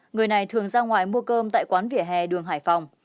người này thường ra ngoài mua cơm tại quán vỉa hè đường hải phòng